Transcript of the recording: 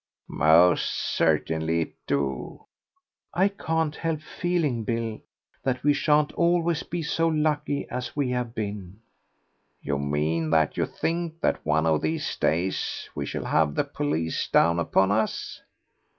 "Most certainly it do." "I can't help feeling, Bill, that we shan't always be so lucky as we have been." "You mean that you think that one of these days we shall have the police down upon us?"